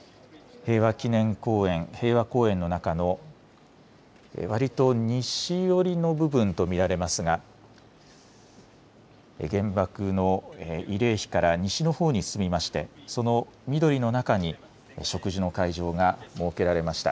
平和公園の中のわりと西寄りの部分と見られますが原爆の慰霊碑から西のほうに進みましてその緑の中に植樹の会場が設けられました。